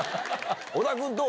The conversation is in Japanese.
小田君、どう？